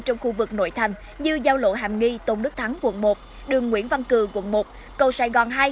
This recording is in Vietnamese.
trong khu vực nội thành như giao lộ hàm nghi tôn đức thắng quận một đường nguyễn văn cử quận một cầu sài gòn hai